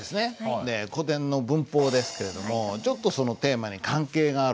古典の文法ですけれどもちょっとそのテーマに関係があるんです。